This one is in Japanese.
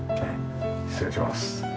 失礼します。